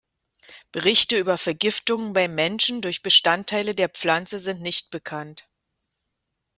Berichte über Vergiftungen beim Menschen durch Bestandteile der Pflanze sind nicht bekannt.